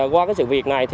qua sự việc này